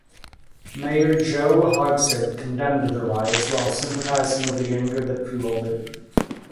Mayor Joe Hogsett condemned the riots while sympathizing with the anger that fueled it.